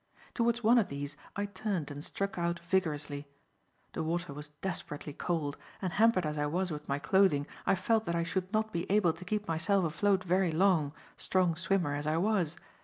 Towards one of these I turned and struck out vigorously. The water was desperately cold, and hampered as I was with my clothing, I felt that I should not be able to keep myself afloat very long, strong swimmer as I was.